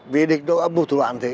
vì địch nó bù thủ đoạn thế